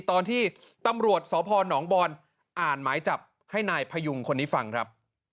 ตอนที่ตำรวจสพนบอนอ่านหมายจับให้นายพยุงคนนี้ฟังครับ